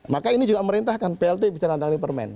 maka ini juga memerintahkan plt bisa ditandatangani permen